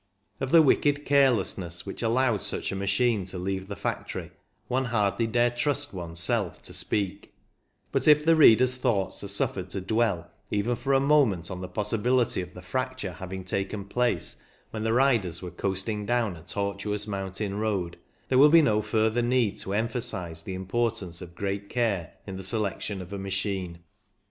Of the wicked carelessness which allowed such a machine to leave the factory one hardly dare trust one's self to speak ; but if the reader's thoughts are suffered to dwell even for a moment on the possibility N 224 CYCLING IN THE ALPS of the fracture having taken place when the riders were coasting down a tortuous mountain road, there will be no further need to emphasise the importance of great care in the selection of a machine.